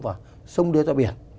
và sông đưa ra biển